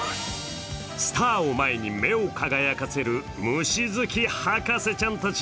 スターを前に、目を輝かせる虫好き博士ちゃんたち。